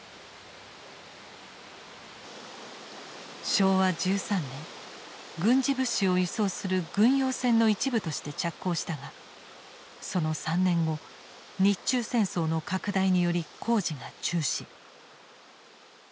昭和１３年軍事物資を輸送する軍用線の一部として着工したがその３年後日中戦争の拡大により工事が中止。